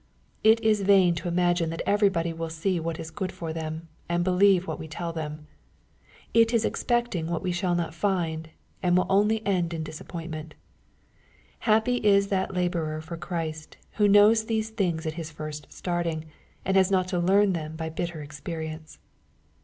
It is vain to imagine that everybody will see what is good for them, and believe what we tell them. It is expecting what we shall not find, and will only end in disappointment. Happy is that laborer for Christ, who knows these things at his first starting, and has not to learn them by bitter experience